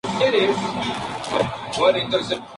Su islam es percibido como particularmente puro.